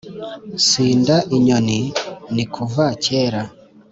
sinda inyoni nikuva kera,